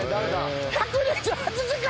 １２８時間！？